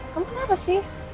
kamu kenapa sih